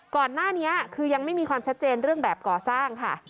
ก่อนหน้านี้คือยังไม่มีความชัดเจนเรื่องแบบก่อสร้างค่ะ